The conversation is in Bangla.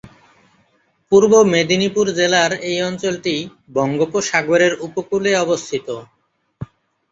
পূর্ব মেদিনীপুর জেলার এই অঞ্চলটি বঙ্গোপসাগরের উপকূলে অবস্থিত।